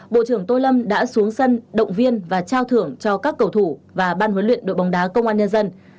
bộ trưởng tô lâm đã xuống sân động viên và trao thưởng cho các cầu thủ và ban huấn luyện đội bóng đá công an nhân dân